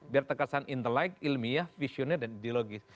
biar terkesan interlake ilmiah visioner dan ideologis